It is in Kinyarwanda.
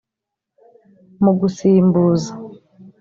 Mu gusimbuza